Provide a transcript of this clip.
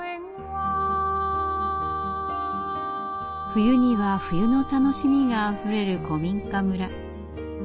冬には冬の楽しみがあふれる古民家村。